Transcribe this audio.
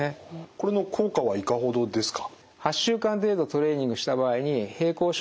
これの効果はいかほどですか？